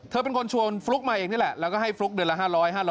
เป็นคนชวนฟลุ๊กมาเองนี่แหละแล้วก็ให้ฟลุ๊กเดือนละ๕๐๐๕๐๐